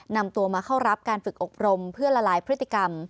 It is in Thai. นำตัวมาเข้ารับการฝึกอบรมเพื่อละลายพฤติกรรม